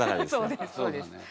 そうですそうです。